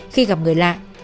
khi gặp người lạ